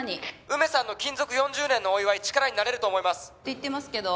「梅さんの勤続４０年のお祝い力になれると思います」って言ってますけど？